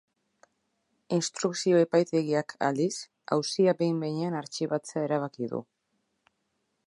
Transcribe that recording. Instrukzio-epaitegiak, aldiz, auzia behin behinean artxibatzea erabaki du.